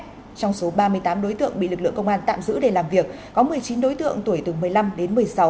trong số ba mươi tám đối tượng bị lực lượng công an tạm giữ để làm việc có một mươi chín đối tượng tuổi từ một mươi năm đến một mươi sáu